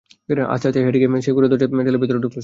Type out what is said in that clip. আস্তে আস্তে হেঁটে গিয়ে সেই কুঁড়ের দরজা ঠেলে ভেতরে ঢুকল সে।